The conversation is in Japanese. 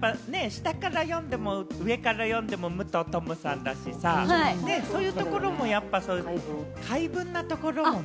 やっぱり下から読んでも上から読んでも「むとうとむ」さんだしさ、そういうところもやっぱり回文なところもね。